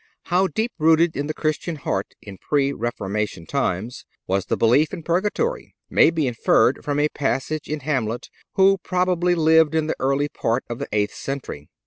How deep rooted in the Christian heart in pre Reformation times, was the belief in Purgatory, may be inferred from a passage in Hamlet who probably lived in the early part of the eighth century.